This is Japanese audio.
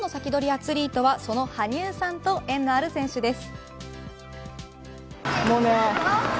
アツリートはその羽生さんと縁のある選手です。